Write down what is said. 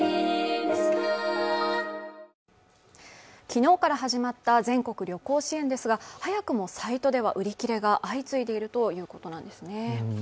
昨日から始まった全国旅行支援ですが早くもサイトでは、売り切れが相次いでいるということなんですね。